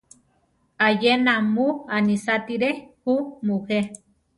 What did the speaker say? Ayena mu anisátiri ju mujé.